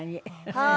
はい。